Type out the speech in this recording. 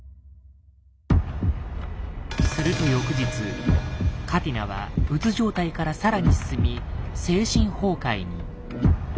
すると翌日カティナはうつ状態から更に進み精神崩壊に。